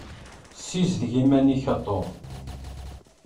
Ssizdeg iman-ik a Tom.